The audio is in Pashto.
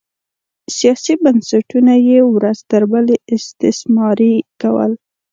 سیاسي بنسټونه یې ورځ تر بلې استثماري کول